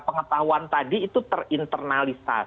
pengetahuan tadi itu terinterlaksakan